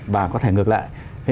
và có thể ngược lại